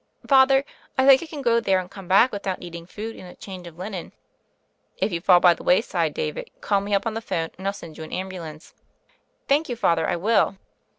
"Father, I think I can go there and come back without needing food and a change of linen." "If you fall by the wayside, David, call me up on the 'phone, and I'll send you an ambu lance." "Thank you. Father, I will."